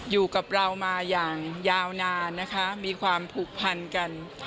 อยู่กับเรามาอย่างยาวนานนะคะมีความผูกพันกัน